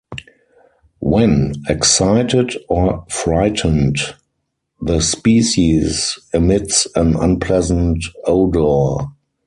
When excited or frightened, the species emits an unpleasant odor.